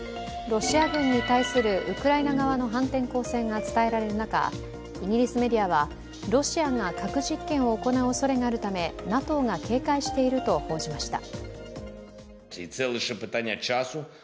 ロシア軍に対するウクライナ側の反転攻勢が伝えられる中イギリスメディアは、ロシアが核実験を行うおそれがあるため、ＮＡＴＯが警戒していると報じました。